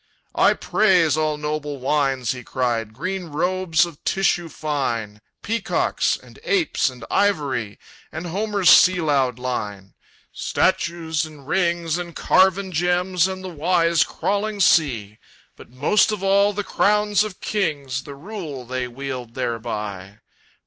"I praise all noble wines!" he cried, "Green robes of tissue fine, Peacocks and apes and ivory, And Homer's sea loud line, "Statues and rings and carven gems, And the wise crawling sea; But most of all the crowns of kings, The rule they wield thereby!